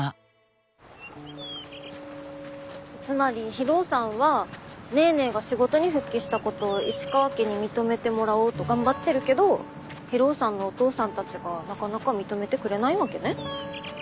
つまり博夫さんはネーネーが仕事に復帰したことを石川家に認めてもらおうと頑張ってるけど博夫さんのお父さんたちがなかなか認めてくれないわけね。